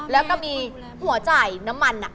แล้วก็มีหัวใจน้ำมันอะ